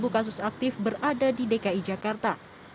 dua puluh kasus aktif berada di dki jakarta